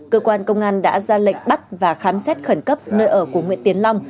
cơ quan công an đã ra lệnh bắt và khám xét khẩn cấp nơi ở của nguyễn tiến long